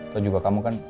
kau juga kamu kan